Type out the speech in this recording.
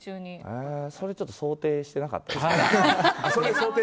それはちょっと想定していなかったですね。